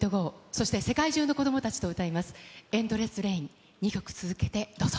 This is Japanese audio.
そして世界中の子どもたちと歌います、ＥＮＤＬＥＳＳＲＡＩＮ、２曲続けてどうぞ。